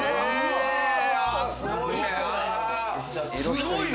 すごいな。